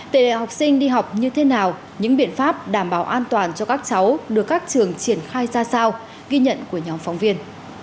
để học sinh đi học như thế nào những biện pháp đảm bảo an toàn cho các cháu được các trường triển khai ra sao ghi nhận của nhóm phóng viên